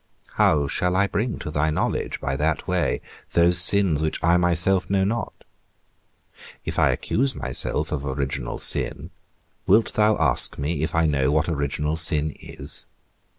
How shall I bring to thy knowledge, by that way, those sins which I myself know not? If I accuse myself of original sin, wilt thou ask me if I know what original sin is?